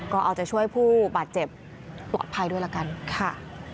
ก็เอาจะช่วยผู้บาดเจ็บปลอดภัยด้วยละกันค่ะ